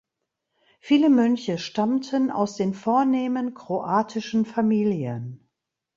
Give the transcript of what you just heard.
Viele Mönche stammten aus den vornehmen kroatischen Familien.